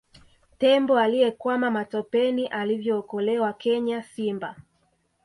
Tembo aliyekwama matopeni alivyookolewa Kenya Simba